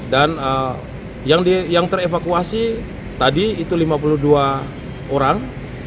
dan yang terevakuasi tadi itu lima puluh dua orang